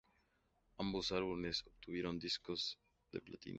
Ambos álbumes obtuvieron disco de platino.